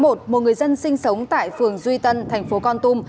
một người dân sinh sống tại phường duy tân tp con tum